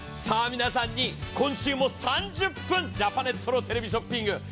さあ皆さんに今週も３０分ジャパネットのテレビショッピング。